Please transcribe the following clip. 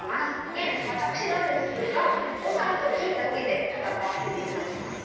で私なんですが王様と銀だけで戦わせていただきます。